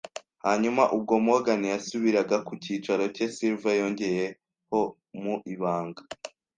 Hanyuma, ubwo Morgan yasubiraga ku cyicaro cye, Silver yongeyeho mu ibanga